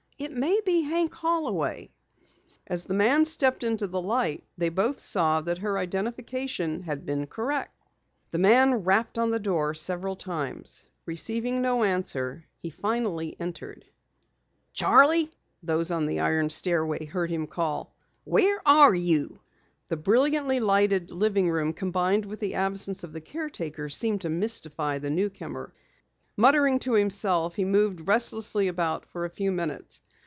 "It may be Hank Holloway." As the man stepped into the light, they both saw that her identification had been correct. The man rapped on the door several times. Receiving no answer, he finally entered. "Charley!" those on the iron stairway heard him call. "Where are you?" The brilliantly lighted living room combined with the absence of the caretaker, seemed to mystify the newcomer. Muttering to himself, he moved restlessly about for a few minutes.